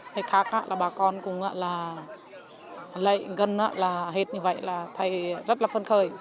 thế khác là bà con cũng là lệ gân là hết như vậy là thấy rất là phân khởi